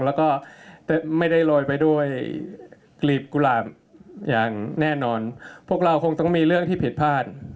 แล้วก็ไม่ได้โรยไปด้วยกลีบกุหลาบอย่างแน่นอนพวกเราคงต้องมีเรื่องที่ผิดพลาด